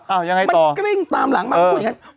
อ่าวอย่างไรต่อมากริ่งตามหลังมาพี่คุณอย่างนั้น